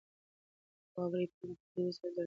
واورې پاڼه په تېزۍ سره درنه کړه.